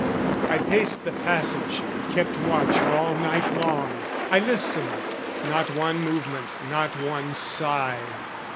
I paced the passage, kept watch all night long. I listened, not one movement, not one sigh.